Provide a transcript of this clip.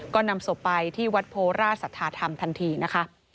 ก็นำศพไปที่วัดโพราชสัทธาธรรมทันทีนะคะ